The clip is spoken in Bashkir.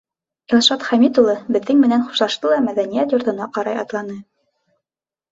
Илшат Хәмит улы беҙҙең менән хушлашты ла мәҙәниәт йортона ҡарай атланы.